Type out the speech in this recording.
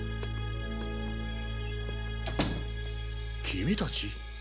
君たち！？